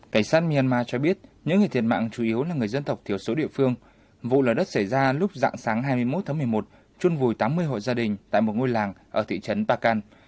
cảnh sát myanmar cho biết những người thiệt mạng chủ yếu là người dân tộc thiểu số địa phương vụ lở đất xảy ra lúc dạng sáng hai mươi một tháng một mươi một trôn vùi tám mươi hộ gia đình tại một ngôi làng ở thị trấn pakan